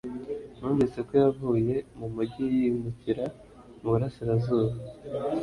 Numvise ko yavuye mu mujyi yimukira mu burasirazuba